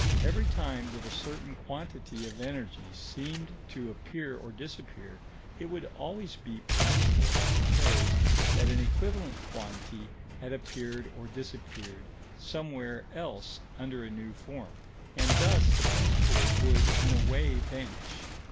Every time that a certain quantity of energy seemed to appear or disappear, it would always be permissible to suppose that an equivalent quantity had appeared or disappeared somewhere else under a new form; and thus the principle would in a way vanish.